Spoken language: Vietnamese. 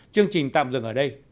chương trình tạm dừng ở đây